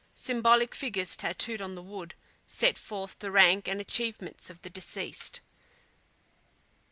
Symbolic figures, tattooed on the wood, set forth the rank and achievements of the deceased.